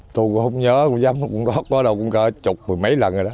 thôi không nhớ không dám không có đâu cũng sụp mười mấy lần rồi đó